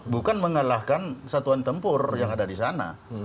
bukan mengalahkan satuan tempur yang ada di sana